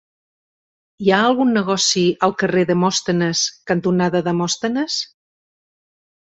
Hi ha algun negoci al carrer Demòstenes cantonada Demòstenes?